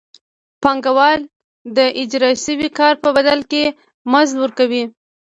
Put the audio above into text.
پانګوال د اجراء شوي کار په بدل کې مزد ورکوي